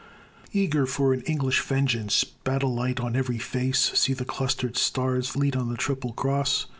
Eager for an English vengeance, battle light on every face, See the Clustered Stars lead on the Triple Cross!